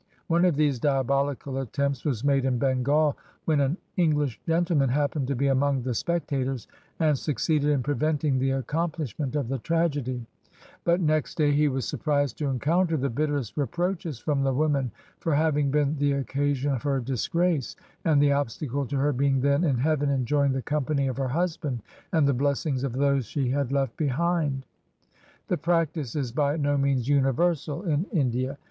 One of these diabolical attempts was made in Bengal, when an English gentle man happened to be among the spectators, and suc ceeded in preventing the accompHshment of the tragedy; but next day he was surprised to encounter the bitterest reproaches from the woman for having been the occa sion of her disgrace and the obstacle to her being then in heaven enjoying the company of her husband and the blessings of those she had left behind. The practice is by no means universal in India.